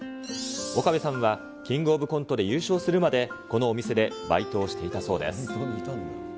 岡部さんは、キングオブコントで優勝するまで、このお店でバイトをしていたそうです。